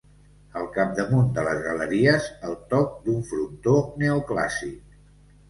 Al capdamunt de les galeries el toc d'un frontó neoclàssic.